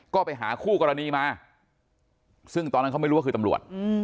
ก็ไปหาคู่กรณีมาซึ่งตอนนั้นเขาไม่รู้ว่าคือตำรวจ